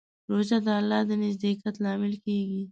روژه د الله د نزدېکت لامل کېږي.